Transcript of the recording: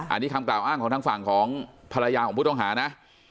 อันนี้คำกล่าวอ้างของทางฝั่งของภรรยาของผู้ต้องหานะ